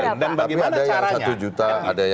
tapi ada yang rp satu juta